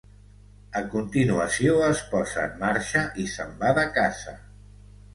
A continuació es posa en marxa i se'n va de caça.